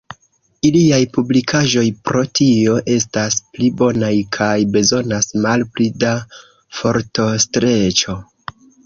Iliaj publikaĵoj pro tio estas pli bonaj kaj bezonas malpli da fortostreĉo.